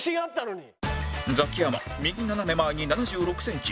ザキヤマ右斜め前に７６センチ